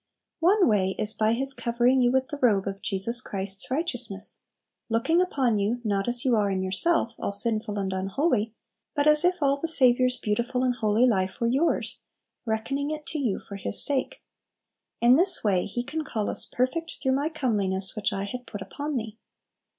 One way is by His covering you with the robe of Jesus Christ's righteousness, looking upon you not as you are in yourself, all sinful and unholy, but as if all the Saviour's beautiful and holy life were yours, reckoning it to you for His sake. In this way He can call us "perfect through my comeliness which I had put upon thee."